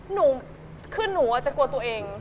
หนูคือหนูอาจจะกลัวตัวเอง